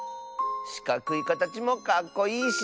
しかくいかたちもかっこいいし。